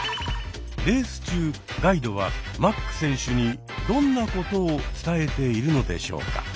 レース中ガイドはマック選手にどんなことを伝えているのでしょうか。